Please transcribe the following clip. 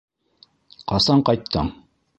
Ҡасан ҡайттың?